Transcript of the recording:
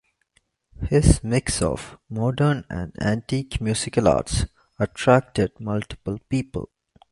His mix of modern and antique musical arts attracted multiple people.